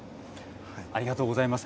ありがとうございます。